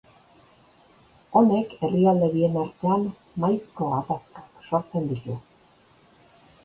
Honek herrialde bien artean maizko gatazkak sortzen ditu.